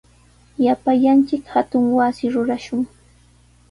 Llapallanchik hatun wasi rurashun.